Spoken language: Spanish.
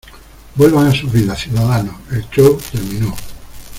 Vuelvan a sus vidas, ciudadanos. El show terminó .